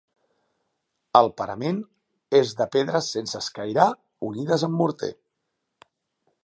El parament és de pedres sense escairar unides amb morter.